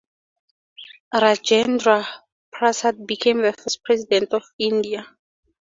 Rajendra Prasad became the first President of India.